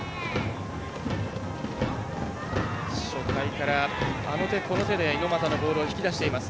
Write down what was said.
初回から、あの手この手で猪俣のボールを引き出しています